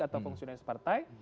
atau fungsi partai